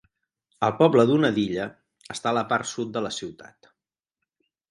El poble d'Unadilla està a la part sud de la ciutat.